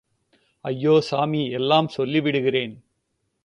ஐயோ சாமி, எல்லாம் சொல்லிவிடுகிறேன்.